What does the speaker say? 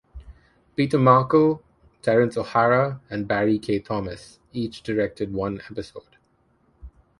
Peter Markle, Terrence O'Hara, and Barry K. Thomas each directed one episode.